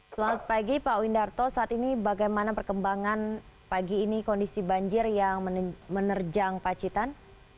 selamat pagi pak windarto saat ini bagaimana perkembangan pagi ini kondisi banjir yang menerjang pacitan